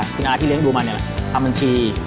คุณอาที่เลี้ยดูมาเนี่ยแหละทำบัญชี